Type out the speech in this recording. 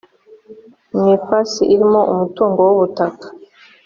mu ifasi irimo umutungo w ubutaka